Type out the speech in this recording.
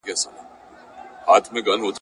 په تور یې د پردۍ میني نیولی جهاني یم !.